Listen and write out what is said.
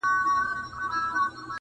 بې گناه مي په ناحقه تور نيولي -